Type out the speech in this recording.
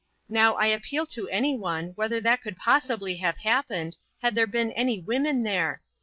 Now, I appeal to any one, whether that could possibly have happened, had there been any women there?